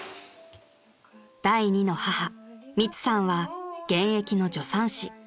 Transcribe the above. ［第二の母ミツさんは現役の助産師］